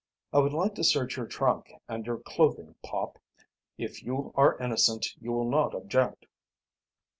"I would like to search your trunk and your clothing, Pop. If you are innocent you will not object."